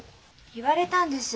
言われたんです。